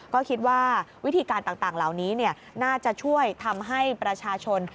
ก็คิดว่าวิธีการต่างเหล่านี้น่าจะช่วยทำให้ประชาชน